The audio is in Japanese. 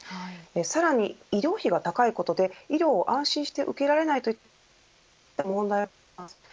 さらに医療費が高いことで医療を安心して受けられないといった問題があります。